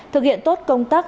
hai thực hiện tốt công tác